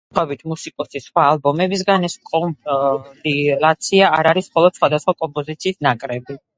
განსხვავებით მუსიკოსის სხვა ალბომებისგან, ეს კომპილაცია არ არის მხოლოდ სხვადასხვა კომპოზიის ნაკრები.